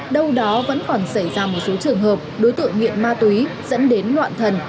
đâu đó vẫn còn xảy ra một số trường hợp đối tượng nghiện ma túy dẫn đến loạn thần